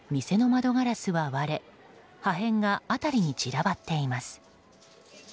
店の窓ガラスは割れ破片が辺りに散らばっています。